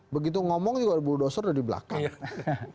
begitu ngomong juga ada buru doser udah di belakang